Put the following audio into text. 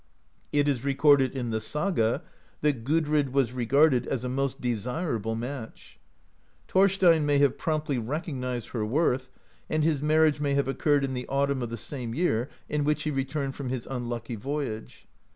It is recorded in the saga that Gudrid was regarded as a most desirable match. Thorstein may have promptly recognized her worth, and his marriage may have oc curred in the autumn of the same year in which he re turned from his unlucky voyage.